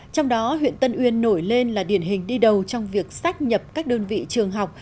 trong đó huyện tân uyên nổi lên là điển hình đi đầu trong việc xác nhập các đơn vị trường học